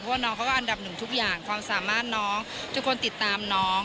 เพราะว่าน้องเขาก็อันดับหนึ่งทุกอย่างความสามารถน้องทุกคนติดตามน้อง